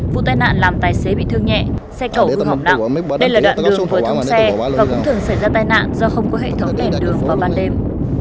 vụ tai nạn làm tài xế bị thương nhẹ xe cẩu hư hỏng nặng đây là đoạn đường vừa thông xe và cũng thường xảy ra tai nạn do không có hệ thống đèn đường vào ban đêm